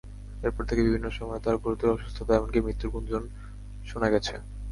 এরপর থেকে বিভিন্ন সময়ে তাঁর গুরুতর অসুস্থতা এমনকি মৃত্যুর গুঞ্জন শোনা গেছে।